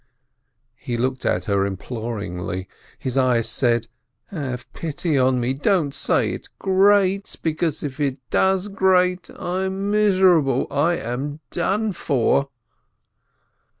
He looked at her imploringly, his eyes said: "Have pity on me ! Don't say, 'it grates' ! because if it does grate, I am miserable, I am done for!"